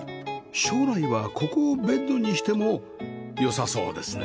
将来はここをベッドにしてもよさそうですね